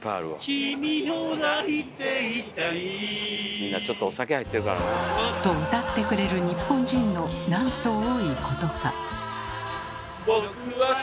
みんなちょっとお酒入ってるからな。と歌ってくれる日本人のなんと多いことか。